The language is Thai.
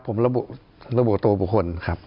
ผมระบุตัวบุคคลครับ